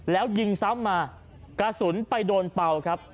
แล้วยิงซ้ำมากระสุนไปโดนเป่าครับ